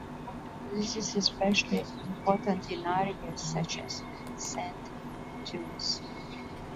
This is especially important in areas such as sand dunes.